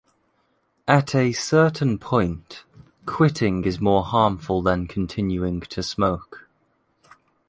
At a certain point, quitting is more harmful than continuing to smoke.